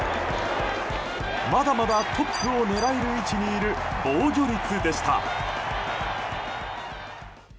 まだまだトップを狙える位置にいる防御率でした。